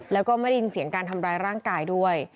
แล้วก็ไม่ได้ยินเสียงการทำร้ายร่างกายด้วย